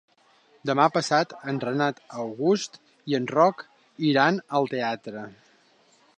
Demà passat en Renat August i en Roc iran al teatre.